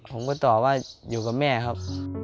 ผมก็ตอบว่าอยู่กับแม่ครับ